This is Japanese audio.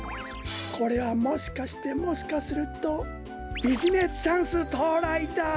これはもしかしてもしかするとビジネスチャンスとうらいだ！